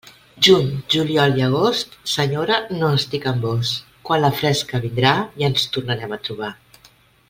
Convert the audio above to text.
Juny, juliol i agost, senyora, no estic amb vós; quan la fresca vindrà ja ens tornarem a trobar.